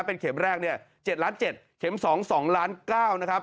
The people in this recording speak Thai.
เป็นเข็มแรกเนี่ย๗ล้าน๗เข็ม๒๒ล้าน๙นะครับ